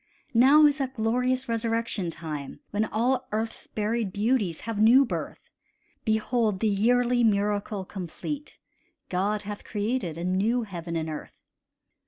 Now is that glorious resurrection time When all earth's buried beauties have new birth: Behold the yearly miracle complete, God hath created a new heaven and earth!